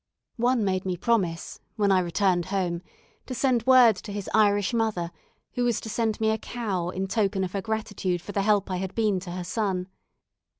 One made me promise, when I returned home, to send word to his Irish mother, who was to send me a cow in token of her gratitude for the help I had been to her son.